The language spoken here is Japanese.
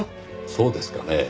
そうですかねぇ？